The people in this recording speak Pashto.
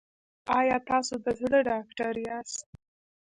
ایا تاسو د زړه ډاکټر یاست؟